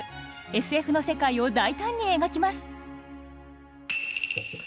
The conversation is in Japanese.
ＳＦの世界を大胆に描きます。